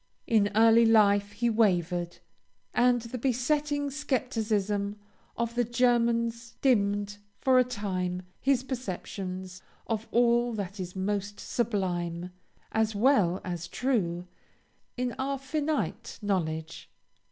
In early life, he wavered; and the besetting scepticism of the Germans dimmed, for a time, his perceptions of all that is most sublime, as well as true, in our finite knowledge.